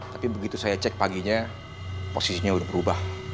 tapi begitu saya cek paginya posisinya udah berubah